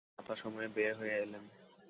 যথা সময়ে বের হয়ে এলেন।